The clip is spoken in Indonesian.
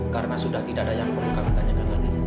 karena sudah tidak ada yang perlu kami tanyakan lagi